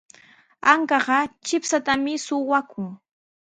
Ankaqa chipshatami suqakun.